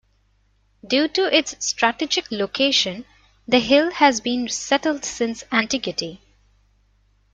Due to its strategic location, the hill has been settled since antiquity.